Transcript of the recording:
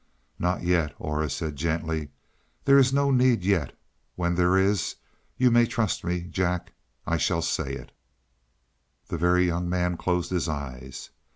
"Not yet," Aura said gently. "There is no need yet. When there is, you may trust me, Jack; I shall say it." The Very Young Man closed his eyes.